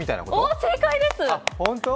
お、正解です。